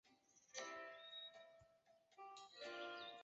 最高军职官员为。